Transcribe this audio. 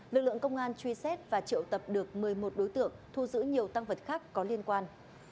lực lượng công an truy xét và triệu tập được một mươi một đối tượng thu giữ nhiều tăng vật khác có liên quan